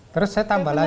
terus saya tambah lagi